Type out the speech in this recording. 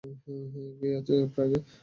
কে আছে প্রাগে?